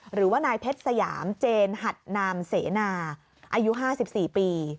หรือว่านายเพชรสยามเจนหัดนามเสนาอายุ๕๔ปี